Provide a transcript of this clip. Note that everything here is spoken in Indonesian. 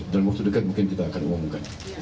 dalam waktu dekat mungkin kita akan umumkan